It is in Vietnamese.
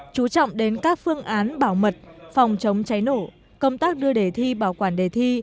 chú trọng đến các phương án bảo mật phòng chống cháy nổ công tác đưa đề thi bảo quản đề thi